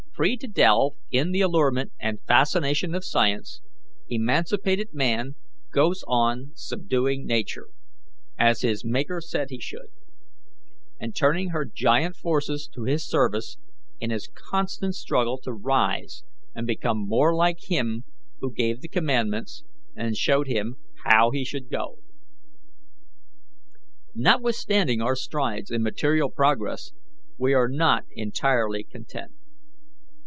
"Free to delve in the allurement and fascination of science, emancipated man goes on subduing Nature, as his Maker said he should, and turning her giant forces to his service in his constant struggle to rise and become more like Him who gave the commandments and showed him how he should go. "Notwithstanding our strides in material progress, we are not entirely content.